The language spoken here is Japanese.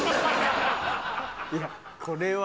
いやこれは。